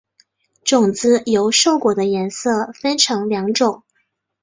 种子由瘦果的颜色分成两种。